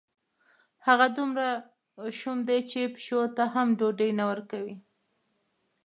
هغه دومره شوم دی، چې پیشو ته هم ډوډۍ نه ورکوي.